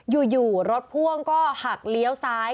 อยู่รถพ่วงก็หักเลี้ยวซ้าย